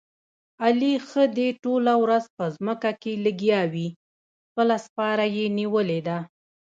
علي ښه دې ټوله ورځ په ځمکه کې لګیاوي، خپله سپاره یې نیولې ده.